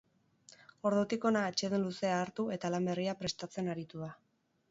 Ordutik hona atseden luzea hartu eta lan berria prestatzen aritu da.